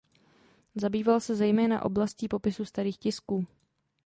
Zabýval se zejména oblastí popisu starých tisků.